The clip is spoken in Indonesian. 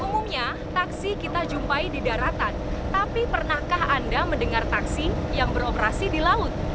umumnya taksi kita jumpai di daratan tapi pernahkah anda mendengar taksi yang beroperasi di laut